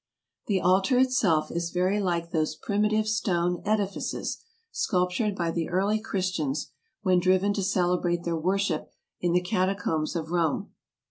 The altar itself is very like those primitive stone edifices sculptured by the early Christians, when driven to celebrate their worship in the catacombs of Rome.